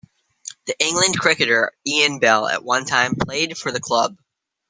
The England cricketer Ian Bell at one time played for the club.